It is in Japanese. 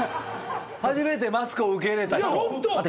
初めてマツコを受け入れた人。